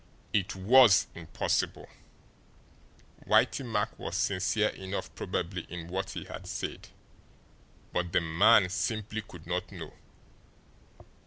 It WAS impossible! Whitey Mack was sincere enough probably in what he had said, but the man simply could not know.